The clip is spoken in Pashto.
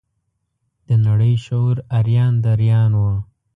د نړۍ شعور اریان دریان و.